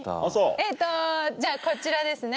えっとじゃあこちらですね。